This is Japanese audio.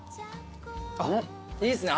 いいっすね